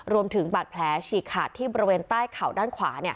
รวมถึงบาดแผลฉีกขาดที่บริเวณใต้เข่าด้านขวา